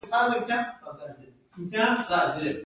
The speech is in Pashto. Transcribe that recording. د ماشوم د تګ لپاره باید څه وکړم؟